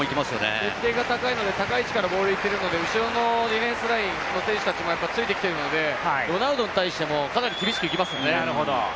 高い位置からボール蹴るので後ろのディフェンスラインの選手たちもついてきているので、ロナウドに対してもかなり厳しくいきますよね。